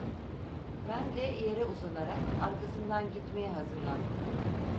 Ben de yere uzanarak arkasından gitmeye hazırlandım.